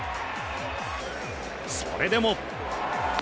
それでも。